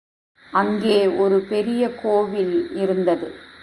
அங்கே ஒரு பெரிய கோவில் இருந்தது.